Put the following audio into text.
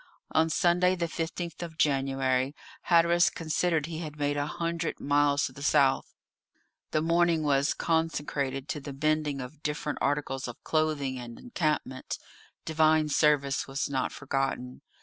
On Sunday, the 15th of January, Hatteras considered he had made a hundred miles to the south; the morning was consecrated to the mending of different articles of clothing and encampment; divine service was not forgotten.